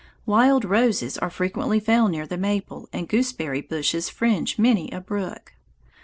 Wild roses are frequently found near the maple, and gooseberry bushes fringe many a brook.